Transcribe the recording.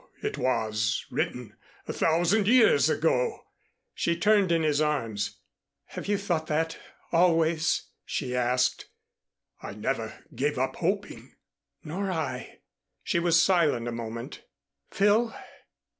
It was written a thousand years ago." She turned in his arms. "Have you thought that always?" she asked. "I never gave up hoping." "Nor I." She was silent a moment. "Phil."